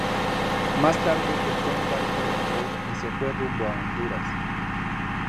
Más tarde compró un barco de vapor y se fue rumbo a Honduras.